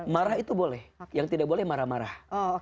marah itu boleh yang tidak boleh marah marah